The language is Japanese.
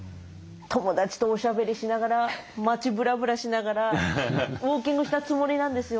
友達とおしゃべりしながら街ブラブラしながらウォーキングしたつもりなんですよ。